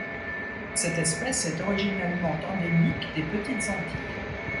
Cette espèce est originellement endémique des petites Antilles.